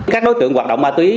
các đối tượng hoạt động ma túy